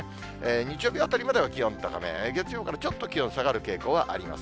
日曜日あたりまでは気温高め、月曜からちょっと気温下がる傾向があります。